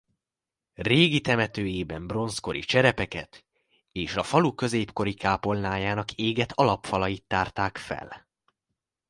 Régi temetőjében bronzkori cserepeket és a falu középkori kápolnájának égett alapfalait tárták fel.